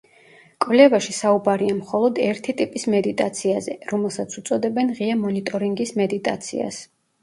კვლევაში საუბარია მხოლოდ ერთი ტიპის მედიტაციაზე, რომელსაც უწოდებენ ღია მონიტორინგის მედიტაციას.